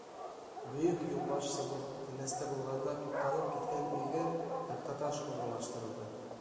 Бөйөк юлбашсыбыҙ Темәстә булғанда туҡталып киткән өйгә таҡтаташ урынлаштырылды.